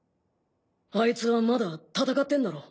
アイツはまだ戦ってんだろ？